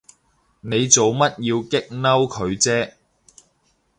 你做乜要激嬲佢啫？